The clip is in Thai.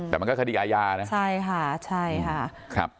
แต่มันก็คดีอาญานะใช่ค่ะ